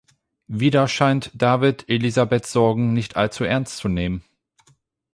Wieder scheint David Elizabeths Sorgen nicht allzu ernst zu nehmen.